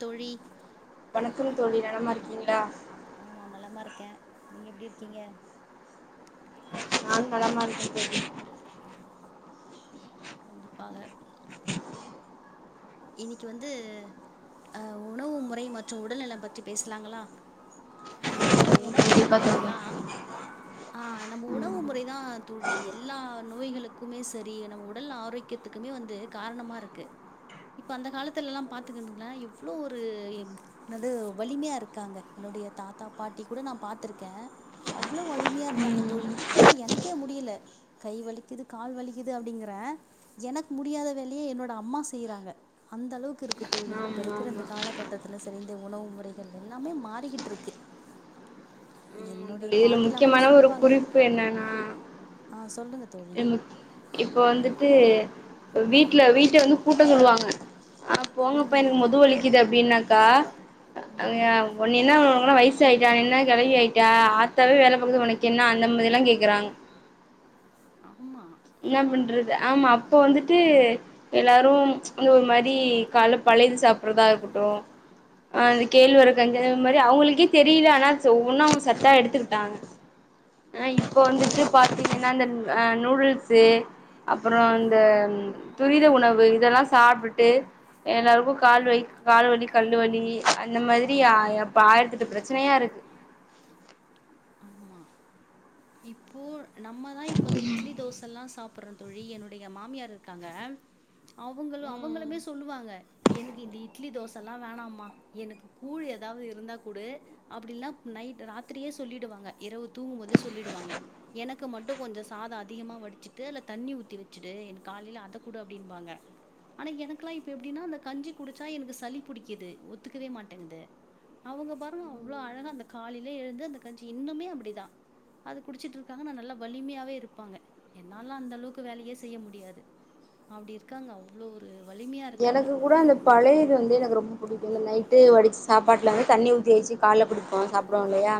தோழி வணக்கம் தோழி நலமாருக்கீங்ளா ஆ நா நலமாருக்கே நீங்க எப்டி இருக்கீங்க நா நலமாருக்கே தோழி கண்டிப்பாக இன்னிக்கு வந்து அ உணவு முறை மற்றும் உடல்நெலோ பத்தி பேசலாங்களா நம்ப்ளுடைய உ ணவு கண்டிப்பா முறையால தோழி தா ஆஹ் நம்ம உணவு முறைதான் தோழி எல்லா நோய்களுக்குமே செரி நம்ம உடல் ஆரோக்கியத்துக்குமே வந்து காரணமா இருக்கு இப்போ அந்த காலத்துலலா பாத்துக்கணுங்களேன் எவ்வளோ ஒரு என்னது வலிமையாக இருக்காங்க என்னுடைய தாத்தா பாட்டி கூட நான் பாத்துருக்கேன் அவ்வளோ வலிமையாக இருந்தாங்க ம் தோழி இப்போல்லா எனக்கே முடியலை கை வலிக்குது கால் வலிக்குது அப்படிங்குற எனக்கு முடியாத வேலையை என்னோட அம்மா செய்கிறாங்க அந்த அளவுக்கு இருக்கு தோழி இப்ப ஆமா இருக்கிற ஆமா இந்த காலகட்டத்துல செரிந்த உணவு முறைகள் எல்லாமே மாறிக்கிட்டு இருக்கு ஆமா என்னுடைய தோழி இதுல பாட்டிலா கூட முக்கியமான ஒரு சொல்லுவாங்க குறிப்பு ஆ சொல்லுங்க தோழி என்னும் இப்போ வந்துட்டு வீட்டுல வீட்டு வந்து கூட்ட சொல்லுவாங்க ஆஹ் போங்கப்பா ம் எனக்கு முது வலிக்குது அப்படின்னா கா அ ம் எ ஒண்ணுன்னியாவ் போல வயசு ஆயிட்டான் நின்ன கிழவி ஆயிட்டா ஆத்தாவே வேலை பாக்குது உனக்கு என்ன அந்த மாதிரல்லா கேக்குறாங் ஆமா இன்னா பண்றது ஆமா அப்போ வந்துட்டு எல்லாரும் இந்த ஒரு மாரி கால்ல பழையது சாப்புட்றதா இருக்கட்டும் அந்த கேள்வரக்கஞ்ச அ மாரி அவுங்களுக்கே தெரியில ஆனா ஒ ஒவ்வொன்னா அவங்க சட்டா எடுத்துக்குட்டாங்க, ஆஹ் இப்ப வந்துட்டு பாத்தீங்கன்னா இந்த அஹ் நூடுல்ஸ் து அப்புறோ அந்த துரித உணவு இதெல்லாம் சாப்ட்டுட்டு எல்லாருக்கும் கால் வைக் கால் வலி கல்லு வலி அந்த மாதிரி அ எப்ப ஆயிரத்தெட்டு பிரச்சனையா இருக்கு ஆமா. இப்போ நம்மதா இப்ப அந்த இட்லி தோசல்லாம் சாப் ப்புறம் தோழி என்னுடைய மாமியார் இருக்காங்க அவங்களு ம் அவங்களுமே சொல்லுவாங்க. எனக்கு இந்த இட்லி தோச ல்லா வேணமா எனக்கு கூழ் ஏதாவது இருந்தா குடு அப்புடில்லனா நைட் ராத்திரே சொல்லிடுவாங்க இரவு தூங்கும்போது ஸ் சொல்லிடுவாங்க எனக்கு மட்டும் கொஞ்சோ சாதம் அதிகமா வடிச்சுட்டு அதல தண்ணி ஊத்தி வச்சுட்டு எனக்கு காலில அத குடு அப்டின்பாங்க ஆனா எனக்குல்லாம் இப்ப எப்டின்னா அந்த கஞ்சி குடிச்சா எனக்கு சளி பிடிக்கிது ஒத்துக்கவே மாட்டேங்குது அவங்க பாரும் அவ்ளோ அழகா அந்த காலையில எழுந்து அந்த கஞ்சி இன்னுமே அப்புடிதா அது குடிச்சிட்ருக்காங்கன்னா நல்லா வலிமையாவே இருப்பாங்க என்னல்லாம் அந்த அளவுக்கு வேலையே செய்ய முடியாது அப்டி இருக்காங்க அவ்ளோ ஒரு வலிமையா இருக்காங்க எனக்கு கூட அந்த பழையது வந்து எனக்கு ரொம்ப பிடிக்கும் இந்த நைட் ட்டு வடிச்ச சாப்பாட்ல வந்து தண்ணி ஊத்தி வெச்சி கால்ல குடிப்போ சாப்புடுவோ இல்லையா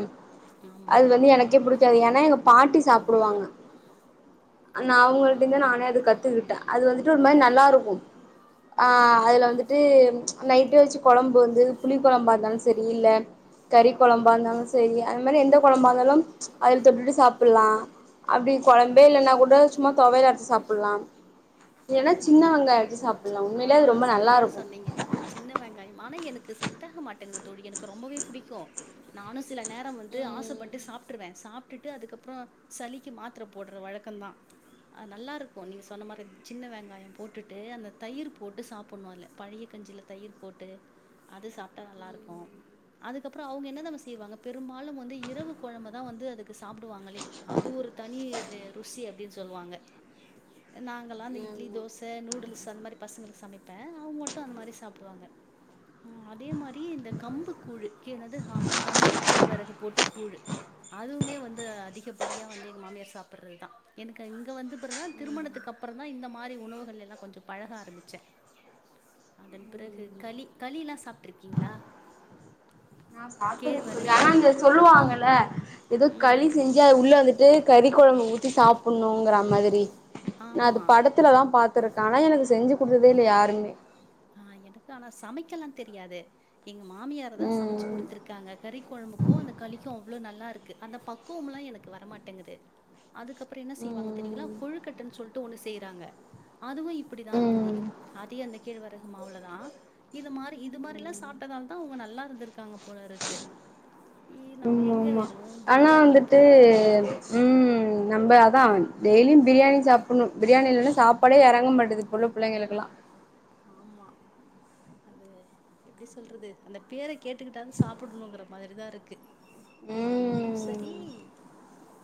ஆமா அது வந்து எனக்கே புடுச் க்கியாது ஏன்னா எங்க பாட்டி சாப்புடுவாங்க அ நான் அவங்கள்ட்டந்தே ஆஹ் நானே அது கத்துக்குட்டேன் அது வந்துட்டு ஒரு மாரி நல்லா இருக்கும் ஆஹ அதுல வந்துட்டு அ நைட்டே வச்சு கொழம்பு வந்து புளி குழம்பா இருந்தாலும் சரி இல்ல கறி குழம்பா இருந்தாலும் சரி அது மாரி எந்த கொழம்பா இருந்தாலும் அதில் தொட்டுட்டு சாப்புட்லா அப்டி கொழம்பே இல்லன்னா கூட சும்மா தொவையலாட் சாப்புட்லாம் இல்லன்னா சின்ன வெங்காய வெச்சி சாப் ஆஹ் சரியா சொன்னீங்க சின்ன வெங்காயம் ஆனா எனக்கு செட் ஆக மாட்டேங்குது தோழி எனக்கு ரொம்பவே புடிக்கும் நானும் சில நேரம் வந்து ம் ஆசைப்பட்டு சாப்பிட்ருவேன் சாப்பிட்டுட்டு அதுக்கப்புறோம் சளிக்கு மாத்துர போட்ற வழக்கோந்தா அது நல்லாருக்கும் நீங்க சொன்ன மாரி சின்ன வெங்காயம் போட்டுட்டு அந்த தயிர் போட்டு சாப்புடணும் அதுல பழைய கஞ்சியில் தயிர் போட்டு அது சாப்ட்டா நல்லாருக்கும் அதுக்கப்புறோம் அவங்க என்ன தாம்மா செய்வாங்க பெரும்பாலும் வந்து இரவு கொழம்ப தா வந்து அதுக்கு சாப்புடுவாங்களே அது ஒரு தனி ரே ருசி அப்டின்னு சொல்லுவாங்க அ நாங் க்கல்லா இந்த இட்லி, ஆமா தோச நூடுல்ஸு அந்த மாரி பசங்களுக்கு சமைப்ப அவுங்க மட்டூ அந்த மாரி சாப்புடுவாங்க, ம் அதே மாரி இந்த கம்பு கூழ கேறது ஆமா கம்பு கேழ்வரகு போட்ட கூழ அதுவுமே வந்து அதிகப்படியா வந்து எங்க மாமியார் சாப்புட்றது தா எனக்கு இங்க பெற தா திருமணத்துக்கப் அப்புறோந் தா இந்த மாரி உணவுகள் எல்லாம் கொஞ்சம் பழக ஆரம்பிச்சன், அதன் பிறகு களி களிலாம் சாப்ட்ருக்கீங்களா நா சாப்ட்டதுல்ல தோழி ஆனா கேழ்வரகுல இந்த சொல்லுவாங்கல எதோ ம் களி செஞ்சு அத உள்ள வந்துட்டு கறி கொழம்பு ஊத் தி சாப்புண்ணுங்குற மாதிரி நா அது ஆமா படத்துலதா பாத் துருக்கானா எனக்கு செஞ்சி குடுத்ததே இல்ல யாருமே ஆஹ் எனக்கு ஆனா சமைக்கல்லா தெரியாது எங்க மாமியாரு தா சமச்சு ம் குடுத்துருக்காங்க கறி கொழும்புக்கு அந்த களி தூ அவ்ளோ நல்லா இருக்கு அந்த பக்குவும்லா எனக்கு வரமாட்டங்குது அதுக்கப்புறோ என்ன செய்வாங்க தெரியுங்குளா ம் கொழ்க்கட்டன் சொல்ட்டு ஒன்னுஸ் செய்றாங்க அதுவு இப்பிடிதா இருக்குது ம் அதே அந்த கேழ்வரகு மாவுலதா இது மாரி இது மாரிலா சாப்ட்டதால் தா அவ்ங்க நல்லா இருந்துருக்காங்க போலருக்கு. ம்மா ஆமா ஆனா வந்துட்டு இப்ப உம்ம் நம்ப அதா டெய்லியு பிரியாணி சாப்புணு பிரியாணி இல்லனா சாப்பாடே எறங்க மாட்டுது ஆமா ஆமா அது எப்டி சொல்றது அந்த பேர கேட்டுக்கிட்டாவது சாப்புட்ணுன்ங்கிற மாதிரிதா இருக்கு கொழந்தைகளும் சரி ம்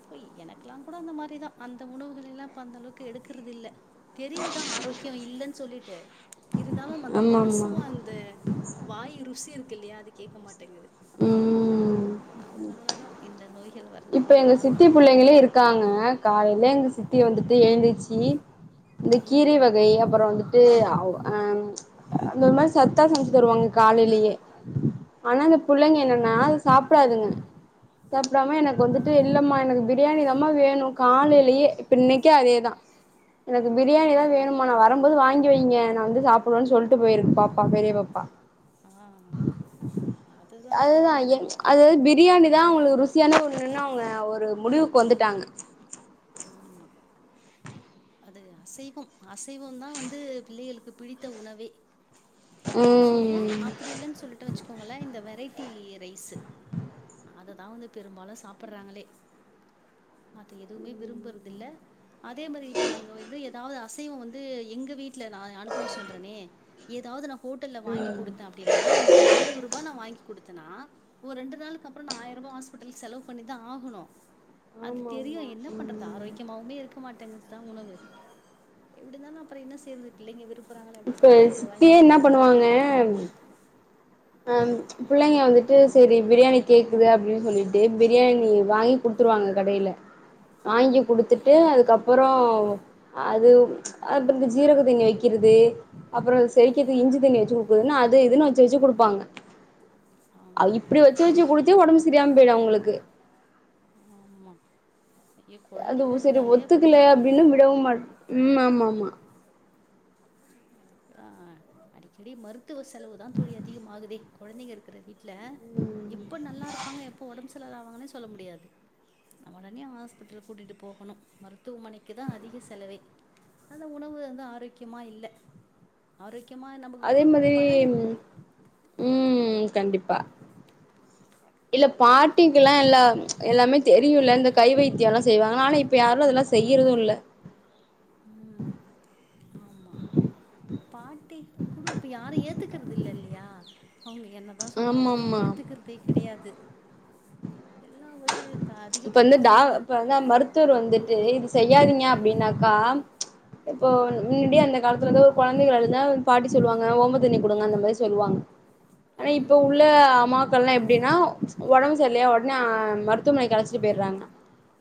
பொய் எனக்குலா கூட அந்த மாரிதா அந்த உணவுகள் எல்லா இப்ப அந்தளவுக்கு எடுக்குறுதுதில்ல தெரியிதுதா ஆரோக் இல்லேன் சொல்லிட்டு இருந்தாலு அந்த ஆமா மனசு ஆமா அந்த வாய் ருசி இருக் கில்லயா அது கேக்கமாட் டேங்குது ம் அதுனால தா இந்த நோய் இப்ப எங்க சித்தி புள்ளைங்களே இருக்காங்குங்க காலைல எங்க சித்தி வந்துட்டு எழ்ந்திச் ம் இந்த கீரை ம் வகை அப்புறோ வந்துட்டு ஒ அஹ்ம் அந்த மாரி சத்தா சமச்சு தருவாங்க காலைலயே ஆனா அந்த புள்ளைங்க என்னன்னா அது சாப்டாதுங்க சாப்டாம எனக் வந்துட்டு இல்லம்மா எனக்கு பிரியாணி தாம்மா வேணு காலைலயே இப்ப இன்னைக்கு அதேதா எனக்கு பிரியாணி தா அதுதா வேணுமா நா வரம்போது வாங் கி வைங்க நா வந்து சாப்புவே சொல்ட்டு போயிரு பாப்பா பெரிய பாப்பா ஆ அதுதா என் அது பிரியாணி இதா உங்ளுக்கு ருசியான ஒர் ஒன்னுன் அவுங்க ஒரு முடிவுக்கு வந்துட்டாங்க ஆமா அது அசைவம் அசைவந்தா வந்து பிள்ளைகளுக்கு பிடித்த உணவே அசைவ ம் அப்புடி இல்லேன்னு சொல்லிட்டு வச்சுக்கோங்கள இந்த வெரைட்டி ரைஸ் அத வந்து பெரும்பாலு சாப்பிடறாங்களே மத்த எதுவுமே விரும்புறதில்ல அதே மாரி இப்ப இப்ப நாங்க வந்து ஏதாவது அசைவ வந்து எங்க வீட்டுல நா அனுபவ சொல்றேனே ஏதாவது நா ஹோட்டல்ல வாங்கி ம் குடுத்தே அப்டின்னா இன்னனைக்கு ஐநூறு ரூபா நா வாங்கி குடுத்தன ஒரு ரெண்டு நாளுக்கு அப்புறோ நா ஆயர் ரூபா ஹாஸ்பிட்டலுக்கு செலவு பண்ணிதா ஆகணு அது ஆமா தெரியு ஆமா என்ன பண்றது ம் ஆரோக்கியமாவுமே இருக்க மாட்டேங்குது [unintelligible] எப்டி இருந்தாலு அப்புறோ என்ன செய்றது பிள்ளைங்க விரும் இப்ப சித்தியே என்ன பண்ணுவாங்க அஹ் பிள்ளைங்க வந்துட்டு சரி பிரியாணி கேக்குது அப்படின் சொல்லிட்டு பிரியாணி வாங்கி குடுத்துருவாங்க கடைல வாங்கி ம் குடுத்துட்டு அதுக்கப் அப்புறோ அதுவும் ச்ச அர்ப்பந்த ஜீரக தண்ணி வெக்கீறது அப்புறோ செரிக்கிதுக் இஞ்சி தண்ணி வச்சு குடுக்குர்தென்னா அது இதுன்னு வச்சு வச்சு கொடு வாங்க ஆ இப்டி வச்சு வச்சு குடிச்சே ஒடம் சிரியாம்போயிடோ அவுங்குளுக்கு ஆமா ஐயோ அதுவு கொழந்தைங்க செரி இருந்தாலே ஒத்துக்கலே அப்டிதா அப்டின்னு விடவு மாட் மா ஆ அடிக்கடி மரு மருத்துவ செலவுதா தோழி அதிகமாகுதே கொழந்தைங்க இருக்கிற வீ ல எப்ப நல்லா இருப்பாங்க எப்ப ஒடம்பு செ லாவாங்களே சொல்ல முடியாது அ ஒடனே ஹாஸ்பிடல் கூட்டிட்டு போகணோ மருத்துவமனைக்குதா அதிக செலவே அந்த உணவு வந்து ஆரோக்கியமா இல்ல ஆரோக் அதே மாரி இல்ல பாட்டிக்குலா எல்லா ச்ச எல்லாமே தெரியுல இந்த கை வைத்தியோலா செய்வாங்க ஆனா இப்ப யாரோ அதொல்லா செய்யறதோ இல்ல உம் ஆமா பாட்டிக்கு கூட இப்ப யாரோ ஏத்துக்கிறது இல்ல இல்லையா அவுங்க என்னதா ஆமா சொன்னாலுமே ஆமா ஏத்துக்கிறதே கெடையாது எல்லா [inaudible] ச்ச இப்ப வந்து டா இப்ப வந்தா மருத்துவர் வந்துட்டு இ செய்யாதீங்க அப்டின்னாக்கா ச்ச இப்போ மீம்டி அந்த காலத்துல இருந்து ஒரு கொழந்தைக அழுதாவு பாட்டி சொல்லுவாங்க ஓம்ப தண்ணி கொடுங்க அந்த மாரி சொல்லுவாங்க ஆனா இப்ப ம் உள்ள அம்மாக்கள்லா எப்டினா ச்ச ஒடம் ர்லையா உடனே ஆ மருத்துமனைக் அழச் சி போயிறாங்க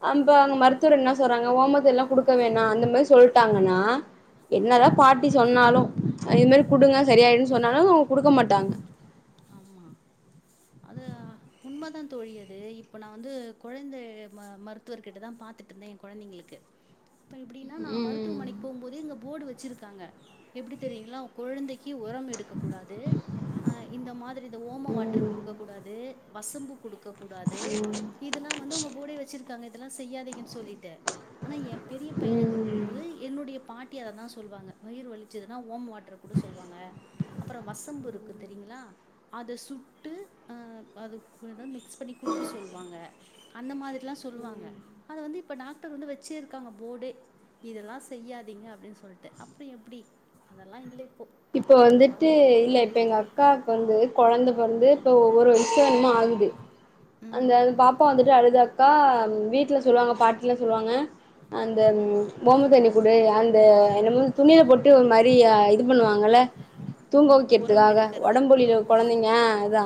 அன்பா அங்க ஆமா மருத்துவர் என்ன சொறாங்க ஓமத்தெல்லா குடுக்க வேணா அந்த மாரி சொல்ட்டாங்கனா என்னதா ஆ ஆ, பாட்டி சொன்னாலோ அ இது மாரி குடுங்க செரி ஆயிடோன்னு சொன்னாலோ குடுக்க மாட்டாங்க ஆமா அது அ உண்மதா தோழி அது இப்ப நா வந்து கொழந்த ம மருத்துவர்கிட்டதா பாத்துட்டிந்தே எ கொழந்தைகளுக்கு அப்ப எப்டினா நா ம் மருத்துவமனைக்கு போம் போது இங்க போர்டு வச்சிருக்காங்க எப்டி தெரியுங்ளா உ குழந்தைக்கு ஒரம் எடுக்க கூடாது ஆ இந்த மாதிரி இத ஓம வாட்டர் ம் குடுக்க கூடாது வசம்பு குடுக்க கூடாது இதல்லா வந்து அவுங்க போடே வச் தங்க இதெல்லா செய்யாதீங்கனு சொல்லிட்டே ஆனா எ பெரிய பயனுக்கு ம் இருக்கும் ம் போது என்னுடைய பாட் த்தி அத தா சொல்வாங்க வயிறு வலிச்சதுனா ஓம வாட் ட்ரு கூட சொல்வாங்க அப்றோ வசம்பு இருக்குது திங்களா அத சுட்டு அ அதுக் [unintelligible] மிக் க்ஸ் பண்ணி குடுக்க சொல்வாங்க அந்த மாதிர் ல்லா சொல்வாங்க அத வந்து இப் ப்ப டாக்டர் வந்து வெச்சே இருக்காங்க போடே இதெல்லா செய்யாதீங்க அப்டின் சொல்ட்டு அப்றோ எப்டி அதல்லா இல்ல இப் இப்போ வந்துட்டு இல்ல இப்ப எங்க அக் க்காக்கு வந்து கொழந்த பொறந்து இப்ப ஒவ்வொரு வய்சா என்மோ ஆகுது அந்த ம் வ் பாப்பா வந்துட்டு அழுதா கா ம் வீட்ல சொல்வாங்க பாட்டிலா சொல்வாங்க அந்த ம் ஓம தண்ணி குடு அந்த என்னமோ துணியில போட்டு ஒரு மாரி அ இது பண்ணுவாங்கல்ல தூங்க ஆமா உரம் வெக்றதுக்காக எடுக்கறது ஒடம்பு வலில ஆமா கொழந்தைங்க அதா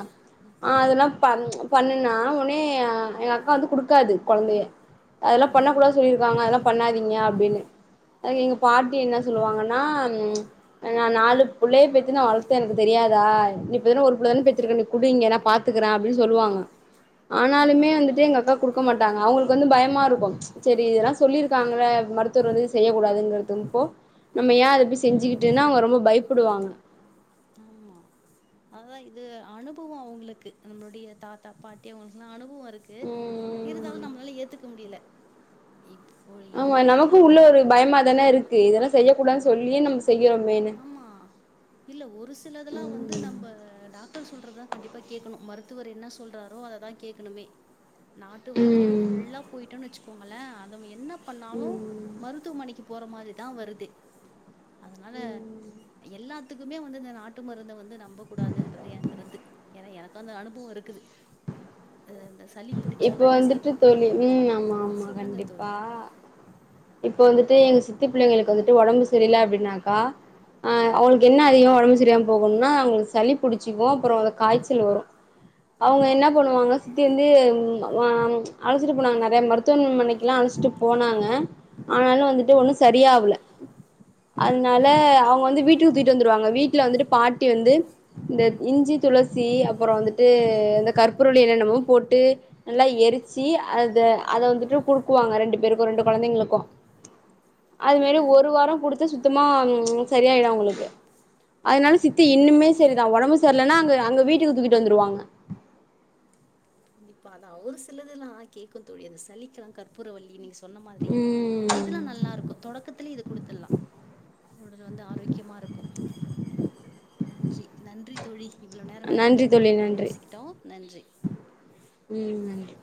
ஆ அதல்லா நம் ப்ச் பண்ணுனா உனே அ எங்க அக்கா வந்து குடுக்காது கொழந்தய அதல்லா பண்ண ம் கூடாது சொல்லிருக்காங்க அதல்லா பண்ணாதி ன்யா அப்டினு அதுக்கு எங்க பாட்டி என்ன சொல்வாங்கன்னா ம் நா நாலு புள்ளய பெத்து நா வளத்தே எனக்கு தெரியாதா நீ இப்ப தான ஒரு பிள்ள தான பெத்துறுக்க நீ குடு இங்க நா பாத்துக்கிறே அப்டின் சொல்வாங்க ஆனாலுமே வந்துட்டு எங்க அக்கா குடுக்க மாட்டாங்க அவுங்குளுக்கு வந்து பயமா இருக்கு ப்ச் செரி இதல்லா சொல்லி இருக்காங்கல மருத்துவர் வந்து இத செய்யகூடாதுங்கறதும் போ நம்ம ஏ அத போய் செஞ்சுகிட் ட்டுனு அவுங்க ரொம்ப பயப்படுவாங்க ஆமா அதா இது அனுபவோ அவுங்களுக்கு நம்புளுடைய தாத்தா பாட்டி அவுங்களுக்குலா அனுபவோ ருக்கு ம் இருந்தாலு நம்ளால ஏத்துக்க முடியில ஆமா நமக்கூ உள்ள கூடோ ஒரு பயமாதான இருக்கு இதல்லா செய்ய கூடான் சொல்லி நம்ம ஸ் ஆமா இல்ல ஒரு சிலதுல்லா வந்து ம் நம்ப டாக் டர் சொல்றதா கண்டிப்பா கேக்கணு மருத்துவர் என்ன சொல்றாரோ அததா கேக்கணுமே நாட்டு வைத்தியனு ம் ஃபுல்லா போயிட்டோன் வெச்சு போங்கள அத அவ என்னப் பண்ணாலு ம் மருத்துவமனைக்கிப் போற மாரி தா வருதே தனால ம் எல்லாத் த்துக்குமே வந்து இந்த நாட்டு மருந்து வந்து நம்பக் கூடாது என்றது என் கருத்து ஏனா எனக் அந்த அனுபவொ இருக்குது அ இந்த சளி இப்ப பிடிச்சாலாம் என்ன வந்துட்டு செய்வாங்க தோழி உம் ஆமா ஆமா சொல்லுங்க கண்டிப்பா தோழி. இப்ப வந்துட் ந்து எங்க சித்து புள்ளைகளுக்கு வந்துட்டு ஒடம்பு சரியில அப்டின்னாக்கா அஹ் அவங்களுக்கு என்ன அதிகொ ஒடம்பு சரியில்லாம போகும்னா அவங்களுக்கு சளி புடிச்சிக்கு அப்பறொமஅத காய்ச்சல் வரு அவங்க என்ன ம், பண்ணுவாங்க சுத்தி இருந்து ந்து ம் வ அழச்சிட்டு போனாங்க நெறைய மருத்துவமனைக்குல்லா அழச்சிட்டு போனாங்க ஆனாலு வந்துட்டு ஒண்ணு சரியாவல அதனால அவங்க வந்து வீட்டுக்கு தூக்கிட்டு வந்துடுவாங்க வீட்டுல வந்துட்டு பாட்டி வந்து இந்த இஞ்சி துளசி அப்பறொ வந்துட்டு இந்த கற்பூரவள்ளி எல என்னமோ போட் ட்டு நல்லா எரிச்சி அத அத வந்துட்டு குடுக்குவாங்க ரெண்டு பேருக்கு ரெண்டு கொழந்தைங்களுக்கு அது மாரி ஒரு ம். வாரொ குடுத்த சுத்தமா ம் சரியாயிடு அவங்களுக்கு அதனால சித்தி இன்னுமே சரிதா ஒடம்பு சர்லன்னா அங்க அங்க வீட்டுக்கு தூக்கிட்டு வந்துடுவாங்க கண்டிப்பா அத ஒரு சிலதுலா கேக்கு தோழி அந்த சளிக்குல்லா கற்பூர வள்ளி நீங் சொ சொன்ன மாரி இதுல்லா ம் நல்லா இருக்கு தொடக்கத்துலயே இத குடுத்தட்லா உடல் வந்து ஆரோக்கியமா இருக்கு நன்றி நன்றி தோழி இவ்வளோ நேரெ நெறைய நன்றி தோழி கருத்துக்கள நன்றி பேசிக்கிட்டோ நன்றி ம் நன்றி